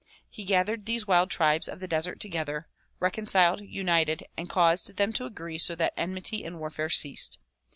He gathered these wild tribes of the desert together, reconciled, united and caused them to agree so that enmity and warfare ceased.